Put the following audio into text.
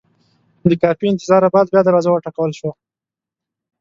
د کافي انتظاره بعد بیا دروازه وټکول شوه.